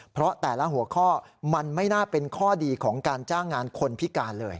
เพราะแต่ละหัวข้อมันไม่น่าเป็นข้อดีของการจ้างงานคนพิการเลย